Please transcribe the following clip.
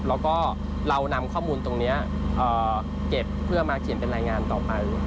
แล้วก็เรานำข้อมูลตรงนี้เก็บเพื่อมาเขียนเป็นรายงานต่อไป